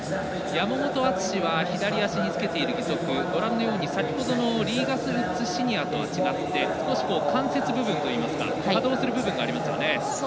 左足につけている義足先ほどのリーガス・ウッズシニアとは違い少し関節部分といいますか稼働する部分があります。